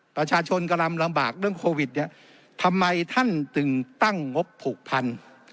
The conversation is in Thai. กำลังลำบากเรื่องโควิดเนี่ยทำไมท่านถึงตั้งงบผูกพัน